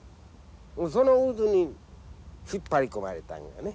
その渦に引っ張り込まれたんやね。